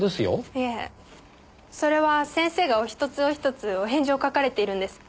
いえそれは先生がお一つお一つお返事を書かれているんです。